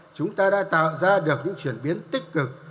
chúng ta đã tạo ra được những chuyển biến tích cực